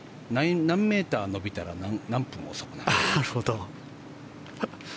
何メートル延びたら何分遅くなるとか。